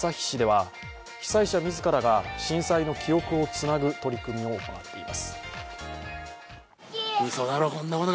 市では被災者自らが震災の記憶をつなぐ取り組みを行っています。